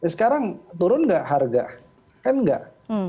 sekarang turun nggak harga kan enggak